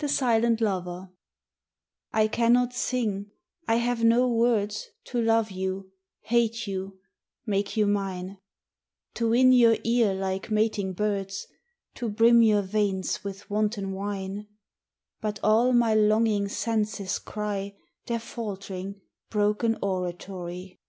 80 THE SILENT LOVER I CANNOT sing, I have no words To love you, hate you, make you mine To win your ear like mating birds, To brim your veins with wanton wine ; But all my longing senses cry Their faltering, broken oratory.